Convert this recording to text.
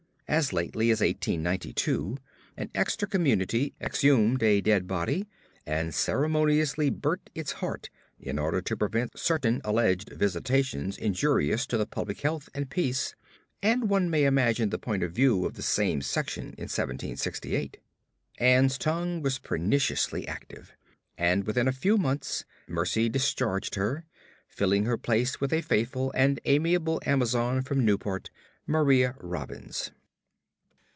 As lately as 1892 an Exeter community exhumed a dead body and ceremoniously burnt its heart in order to prevent certain alleged visitations injurious to the public health and peace, and one may imagine the point of view of the same section in 1768. Ann's tongue was perniciously active, and within a few months Mercy discharged her, filling her place with a faithful and amiable Amazon from Newport, Maria Robbins.